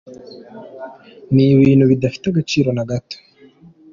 Ni ibintu bidafite agaciro na gato.